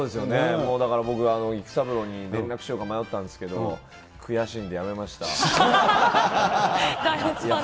僕がだから、育三郎に連絡しようか迷ったんですけど、悔しいんでやめました。